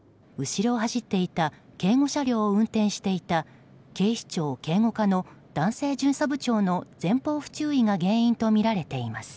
後ろを走っていた警護車両を運転していた警視庁警護課の男性巡査部長の前方不注意が原因とみられています。